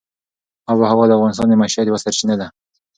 آب وهوا د افغانانو د معیشت یوه سرچینه ده.